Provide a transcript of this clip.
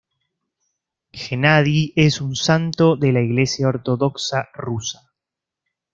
Gennadi es un santo de la Iglesia Ortodoxa Rusa.